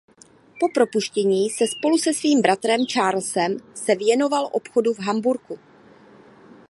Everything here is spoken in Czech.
Po propuštění se spolu se svým bratrem Charlesem se věnoval obchodu v Hamburku.